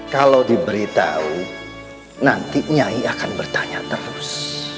kalau diberitahu nanti nyai akan bertanya terus